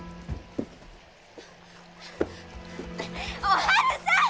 おはるさん！